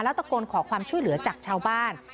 ตะโกนขอความช่วยเหลือจากชาวบ้าน